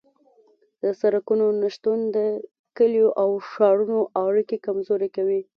د سرکونو نشتون د کلیو او ښارونو اړیکې کمزورې کوي